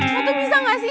lo tuh bisa ga sih